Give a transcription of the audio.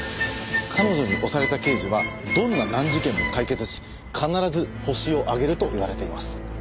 彼女に推された刑事はどんな難事件も解決し必ずホシを挙げると言われています。